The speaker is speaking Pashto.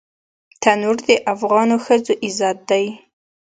تنور د افغانو ښځو عزت دی